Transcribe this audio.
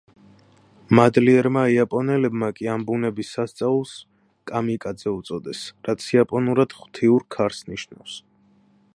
მადლიერმა იაპონელებმა კი ამ ბუნების სასწაულს „კამიკაძე“ უწოდეს, რაც იაპონურად „ღვთიურ ქარს“ ნიშნავს.